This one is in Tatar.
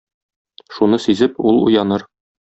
Шуны сизеп, ул уяныр.